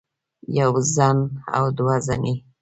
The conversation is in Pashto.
يوه زن او دوه زنې